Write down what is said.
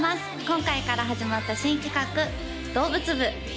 今回から始まった新企画「動物部」